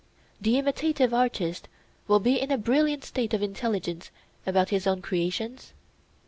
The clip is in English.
The imitative artist will be in a brilliant state of intelligence about his own creations?